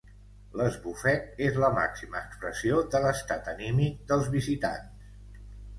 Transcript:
L'esbufec és la màxima expressió de l'estat anímic dels visitants.